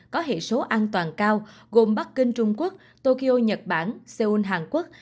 có hệ số an toàn cao gồm bắc kinh trung quốc tokyo nhật bản seoul hàn quốc